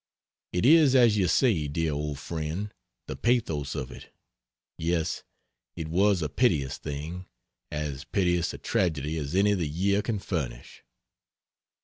It is as you say, dear old friend, "the pathos of it" yes, it was a piteous thing as piteous a tragedy as any the year can furnish.